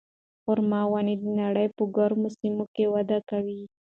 خورما ونې د نړۍ په ګرمو سیمو کې وده کوي.